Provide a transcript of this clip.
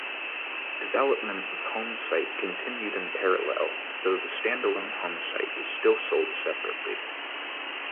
Development of HomeSite continued in parallel, though the standalone HomeSite was still sold separately.